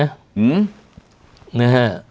นะฮะ